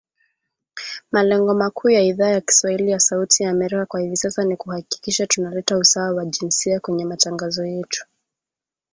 Malengo makuu ya Idhaa ya kiswahili ya Sauti ya Amerika kwa hivi sasa ni kuhakikisha tuna leta usawa wa jinsia kwenye matangazo yetu